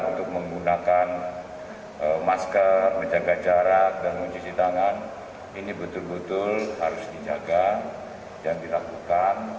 untuk menggunakan masker menjaga jarak dan mencuci tangan ini betul betul harus dijaga dan dilakukan